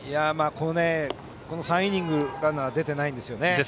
この３イニングランナーは出ていないんですよね。